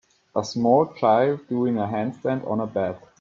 A small child doing a handstand on a bed.